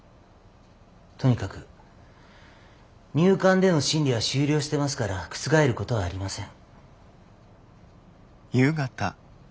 とにかく入管での審理は終了してますから覆ることはありません。